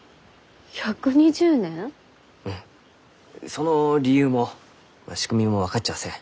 その理由も仕組みも分かっちゃあせん。